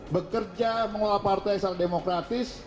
bekerja mengolah partai yang demokratis